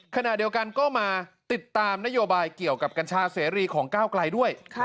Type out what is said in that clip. ขณะเดียวกันก็มาติดตามนโยบายเกี่ยวกับกัญชาเสรีของก้าวไกลด้วย